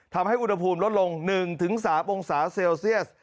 ทำให้อุณหภูมิลดลง๑๓องศาเซลเซียส